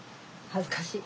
恥ずかしい。